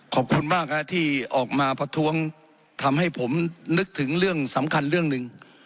ขอบคุณมากที่ออกมาประท้วงทำให้ผมนึกถึงเรื่องสำคัญเรื่องหนึ่ง